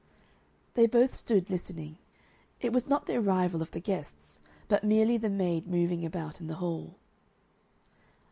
They both stood listening. It was not the arrival of the guests, but merely the maid moving about in the hall.